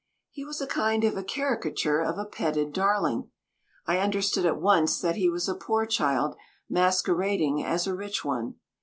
He was a kind of a caricature of a petted darling. I understood at once that he was a poor child, masquerading as a rich one.